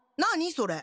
それ。